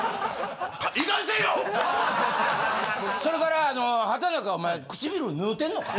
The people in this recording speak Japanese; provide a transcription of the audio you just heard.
それからあの。